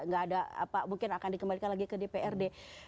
nggak ada apa mungkin akan dikembalikan lagi ke dprd